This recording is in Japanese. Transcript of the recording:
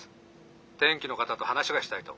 天気の方と話がしたいと。